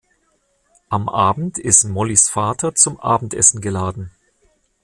Am Abend ist Mollys Vater zum Abendessen geladen.